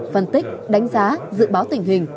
phân tích đánh giá dự báo tình hình